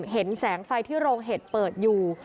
เห็นแสงไฟที่โรงเห็ดเปิดอยู่